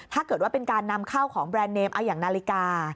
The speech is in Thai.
ถ้าเกิดว่าเป็นการนำเข้าของแบรนดเนมเอาอย่างนาฬิกา